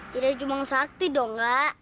tidak cuma sakti dong kak